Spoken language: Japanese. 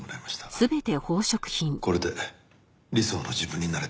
これで理想の自分になれたわけだ。